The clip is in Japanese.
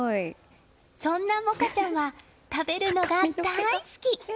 そんな萌夏ちゃんは食べるのが大好き！